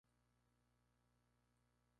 Ruggeri asistió a dos concursos.